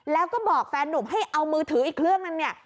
แล้วก็บอกแฟนหนุ่มให้เอามือถืออีกเครื่องนึงเนี่ย